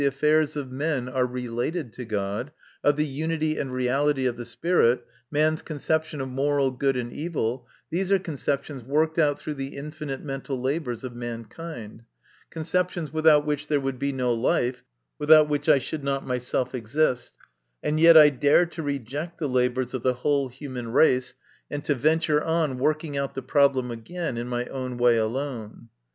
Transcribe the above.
affairs of men are related to God, of the unity and reality of the spirit, man's conception of moral good and evil, these are conceptions worked out through the infinite mental labours of mankind ; conceptions without which there would be no life, without which I should not myself exist, and yet I dare to reject the labours of the whole human race, and to venture on working out the problem again in my own way alone.